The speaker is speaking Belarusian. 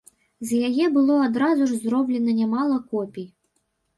З яе было адразу ж зроблена нямала копій.